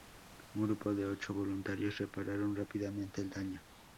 Un grupo de ocho voluntarios repararon rápidamente el daño.